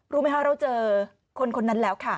รู้ไหมคะเราเจอคนคนนั้นแล้วค่ะ